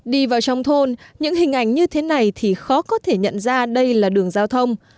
đi vào trong thôn những hình ảnh như thế này thì khó có thể nhận ra đây là đường giao thông